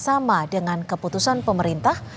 sama dengan keputusan pemerintah